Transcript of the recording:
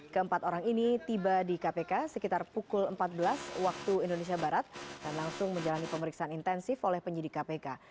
keempat orang ini tiba di kpk sekitar pukul empat belas waktu indonesia barat dan langsung menjalani pemeriksaan intensif oleh penyidik kpk